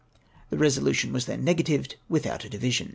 The resolution w^as then negatived without a division.